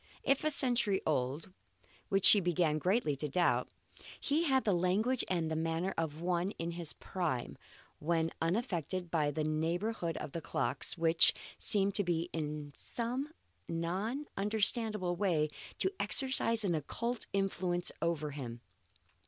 If a century old which she began greatly to doubt he had the language and manner of one in his prime, when unaffected by the neighbourhood of the clocks, which seemed in some non understandable way to exercise an occult influence over him.